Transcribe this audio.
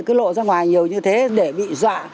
cứ lộ ra ngoài nhiều như thế để bị dọa